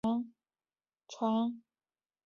接着罗宾逊号被派往法国海域护航商船。